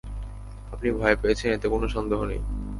আপনি ভয় পেয়েছেন এতে কোন সন্দেহ নেই!